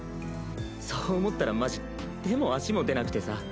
そう思ったらマジ手も足も出なくてさ。